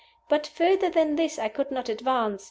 But further than this I could not advance.